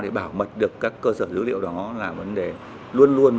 để bảo mật được các cơ sở dữ liệu đó là vấn đề luôn luôn